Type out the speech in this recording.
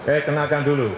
eh kenalkan dulu